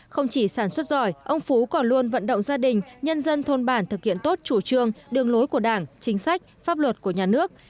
không chỉ sản xuất giỏi ông phú còn luôn vận động gia đình nhân dân thôn bản thực hiện tốt chủ trương đường lối của đảng chính sách pháp luật của nhà nước